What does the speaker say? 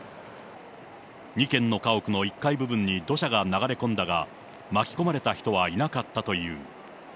２軒の家屋の１階部分に土砂が流れ込んだが、巻き込まれた人はいなかったという。